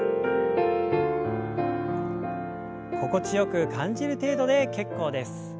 心地よく感じる程度で結構です。